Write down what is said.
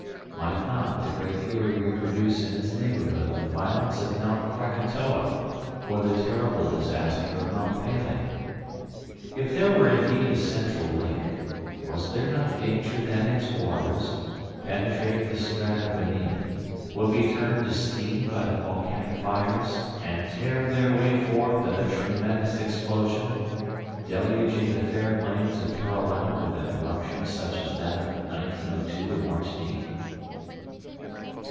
Might not the Great Eyrie reproduce in its neighborhood the violence of Mount Krakatoa or the terrible disaster of Mont Pelee? If there were indeed a central lake, was there not danger that its waters, penetrating the strata beneath, would be turned to steam by the volcanic fires and tear their way forth in a tremendous explosion, deluging the fair plains of Carolina with an eruption such as that of 1902 in Martinique?